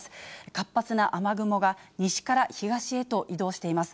活発な雨雲が西から東へと移動しています。